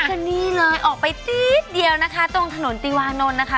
ก็นี่เลยออกไปตี๊ดเดียวนะคะตรงถนนติวานนท์นะคะ